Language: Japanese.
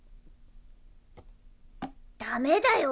ダメだよ